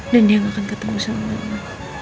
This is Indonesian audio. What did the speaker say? dan dia gak akan ketemu sama mama